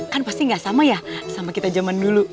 kan pasti gak sama ya sama kita zaman dulu